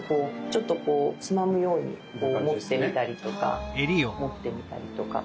ちょっとこうつまむようにこう持ってみたりとか持ってみたりとか。